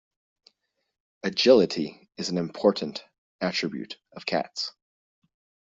Agility is an important attribute of cats.